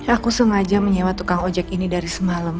aku sengaja menyewa tukang ojek ini dari semalam